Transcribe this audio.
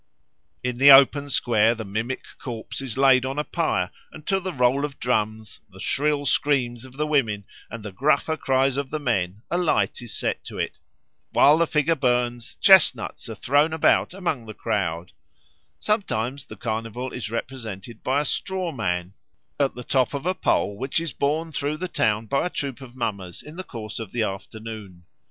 In the open square the mimic corpse is laid on a pyre, and to the roll of drums, the shrill screams of the women, and the gruffer cries of the men a light is set to it. While the figure burns, chestnuts are thrown about among the crowd. Sometimes the Carnival is represented by a straw man at the top of a pole which is borne through the town by a troop of mummers in the course of the afternoon.